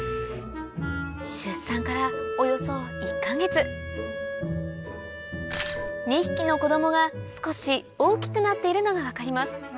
出産からおよそ１か月２匹の子供が少し大きくなっているのが分かります